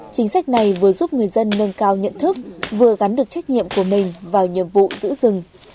chính sách này vừa giúp người dân nâng cao nhận thức vừa gắn được trách nhiệm của mình vào nhiệm vụ giữ rừng